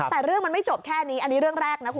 แต่เรื่องมันไม่จบแค่นี้อันนี้เรื่องแรกนะคุณ